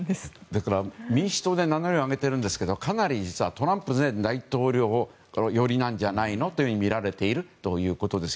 だから、民主党で名乗りを上げているんですがかなりトランプ前大統領寄りなんじゃないの？とみられているということです。